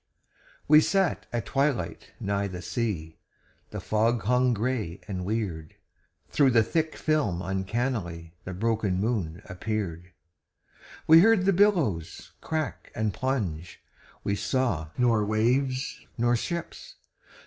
We sat at twilight nigh the sea, The fog hung gray and weird. Through the thick film uncannily The broken moon appeared. We heard the billows crack and plunge, We saw nor waves nor ships.